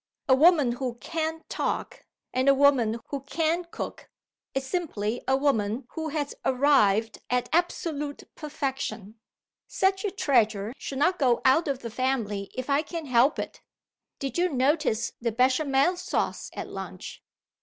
A woman who can't talk, and a woman who can cook, is simply a woman who has arrived at absolute perfection. Such a treasure shall not go out of the family, if I can help it. Did you notice the Bechamel sauce at lunch?